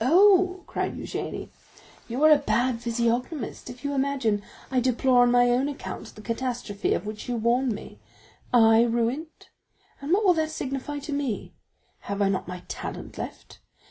"Oh," cried Eugénie, "you are a bad physiognomist, if you imagine I deplore on my own account the catastrophe of which you warn me. I ruined? and what will that signify to me? Have I not my talent left?